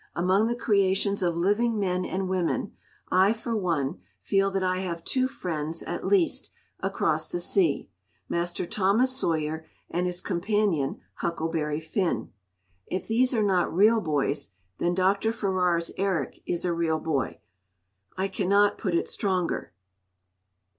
Among the creations of living men and women I, for one, feel that I have two friends at least across the sea, Master Thomas Sawyer and his companion, Huckleberry Finn. If these are not real boys, then Dr. Farrar's Eric is a real boy; I cannot put it stronger.